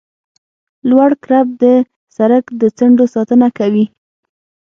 لوړ کرب د سرک د څنډو ساتنه کوي